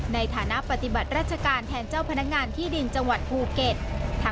ในฐานะปฏิบัติราชการแทนเจ้าพนักงานที่ดินจังหวัดภูเก็ต